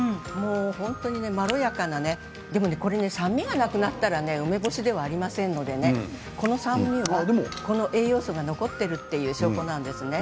本当にまろやかなでもこれ酸味がなくなったら梅干しではありませんのでこの酸味、この栄養素が残っているという証拠なんですね。